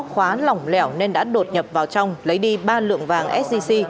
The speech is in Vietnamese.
khóa lỏng lẻo nên đã đột nhập vào trong lấy đi ba lượng vàng sgc